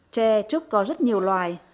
tre trúc có rất nhiều loài